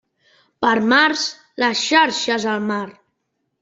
Per març, les xarxes al mar.